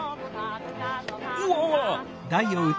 うわわ。